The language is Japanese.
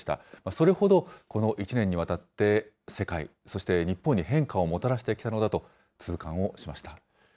それほど、この１年にわたって世界、そして日本に変化をもたらしてきたのだと痛感をしました。